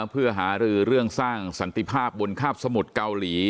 เพื่อหารือเรื่องสร้างสันติภาพบนคาบสมุทรเกาหลี